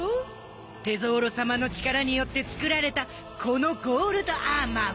テゾーロさまの力によって作られたこのゴールドアーマーは。